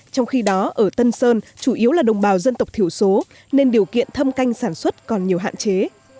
trong khi đó ở tân sơn chủ yếu là đồng bào dân tộc thiểu số nên điều kiện thâm canh sản xuất còn nhiều hạn chế